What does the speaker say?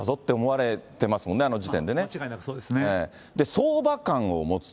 相場観を持つと。